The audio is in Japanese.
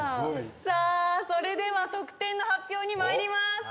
さあそれでは得点の発表に参ります。